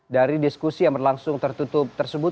dari diskusi yang berlangsung tertutup tersebut